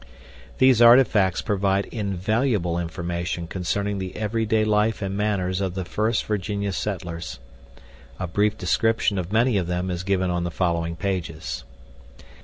These artifacts provide invaluable information concerning the everyday life and manners of the first Virginia settlers. A brief description of many of them is given on the following pages.